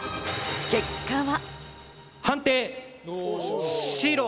結果は。